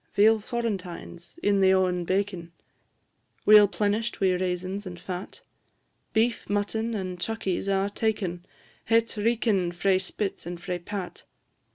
Veal florentines, in the o'en baken, Weel plenish'd wi' raisins and fat; Beef, mutton, and chuckies, a' taken Het reekin' frae spit and frae pat.